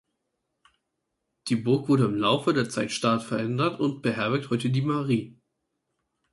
Die Burg wurde im Laufe der Zeit stark verändert und beherbergt heute die Mairie.